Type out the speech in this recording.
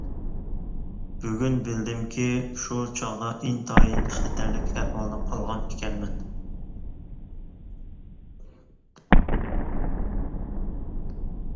بۈگۈن بىلدىمكى، شۇ چاغدا ئىنتايىن خەتەرلىك ئەھۋالدا قالغان ئىكەنمەن.